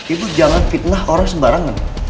itu jangan fitnah orang sembarangan